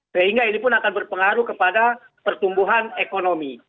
sehingga ini pun akan berpengaruh kepada pertumbuhan ekonomi